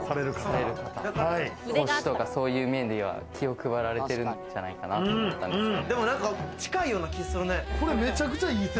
腰とか、そういう面では気を配られてるんじゃないかなと思ったんですけど。